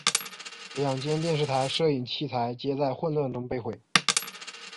两间电视台摄影器材皆在混乱中被毁。